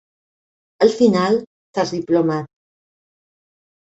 Al final, t'has diplomat.